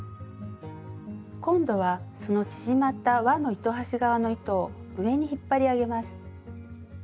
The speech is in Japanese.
今度はその縮まったわの糸端側の糸を上に引っ張り上げます。